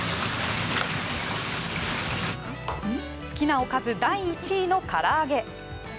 好きなおかず第１位のから揚げ。